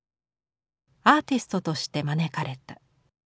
アーティストとして招かれた。